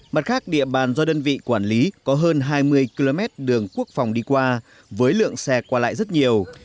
mặt khác địa bàn do đơn vị quản lý có hơn hai mươi km đường quốc phòng đi qua với lượng xe qua lại rất nhiều